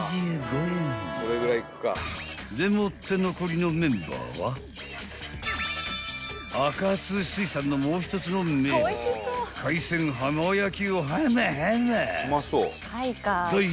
［でもって残りのメンバーはあかつ水産のもう一つの名物海鮮浜焼きをはまはま］